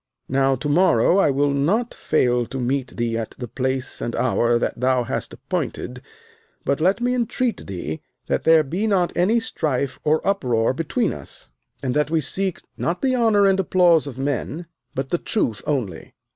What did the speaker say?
Now to morrow I will not fail to meet thee at the place and hour that thou hast appointed, but let me entreat thee that there be not any strife or uproar between us, and that we seek not the honour and applause of men, but the truth only.